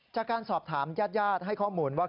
จากการสอบถามญาติให้ข้อมูลว่า